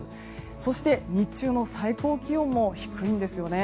そして、日中の最高気温も低いんですよね。